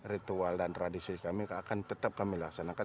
ritual dan tradisi kami akan tetap kami laksanakan